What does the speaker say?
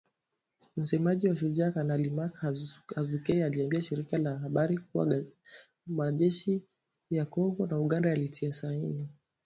Msemaji wa Shujaa, Kanali Mak Hazukay aliliambia shirika la habari kuwa majeshi ya Kongo na Uganda yalitia saini.